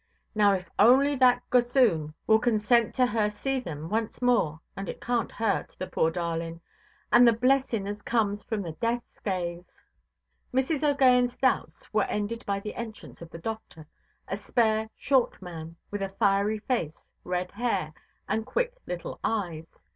Now, if only that gossoon will consent to her see them, once more, and it canʼt hurt, the poor darlinʼ—and the blessing as comes from the deathʼs gaze——" Mrs. OʼGaghanʼs doubts were ended by the entrance of the doctor, a spare, short man, with a fiery face, red hair, and quick little eyes.